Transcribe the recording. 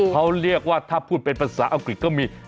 เขาเรียกว่าถ้าพูดเป็นภาษาอังกฤษก็มี